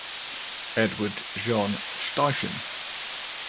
Edward Jean Steichen.